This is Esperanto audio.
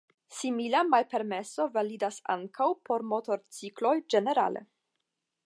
Simila malpermeso validas ankaŭ por motorcikloj ĝenerale.